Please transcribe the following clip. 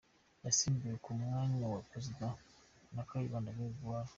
Yasimbuwe ku mwanya wa Perezida na Kayibanda Geregori.